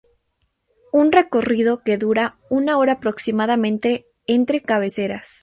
Un recorrido que dura una hora aproximadamente entre cabeceras.